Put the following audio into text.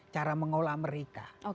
cara mengolah mereka